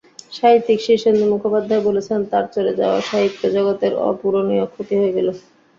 সাহিত্যিক শীর্ষেন্দু মুখোপাধ্যায় বলেছেন, তাঁর চলে যাওয়ায় সাহিত্যজগতের অপূরণীয় ক্ষতি হয়ে গেল।